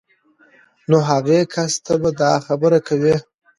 نو هغې کس ته به دا خبره کوئ